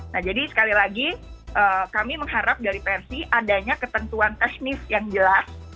nah jadi sekali lagi kami mengharap dari persi adanya ketentuan teknis yang jelas